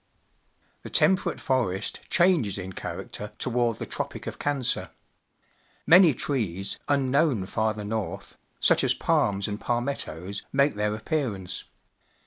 The Temperate forest changes in character toward the Tropic of Cancer. Many trees, unknown farther north, such as palms and palmettos, make their appearance.